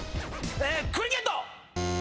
クリケット。